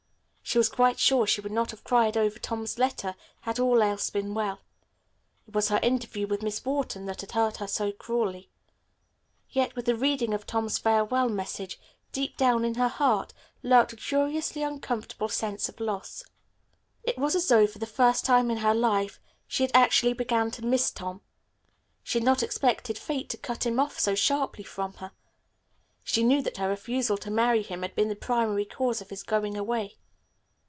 She was quite sure she would not have cried over Tom's letter had all else been well. It was her interview with Miss Wharton that had hurt her so cruelly. Yet, with the reading of Tom's farewell message, deep down in her heart lurked a curiously uncomfortable sense of loss. It was as though for the first time in her life she had actually began to miss Tom. She had not expected fate to cut him off so sharply from her. She knew that her refusal to marry him had been the primary cause of his going away.